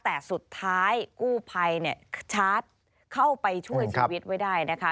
แต่สุดท้ายกู้ภัยเนี่ยชาร์จเข้าไปช่วยชีวิตไว้ได้นะคะ